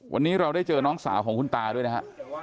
วันนี้เราได้เจอน้องสาวของคุณตาด้วยนะฮะ